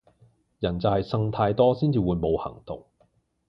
人就係呻太多至會冇行動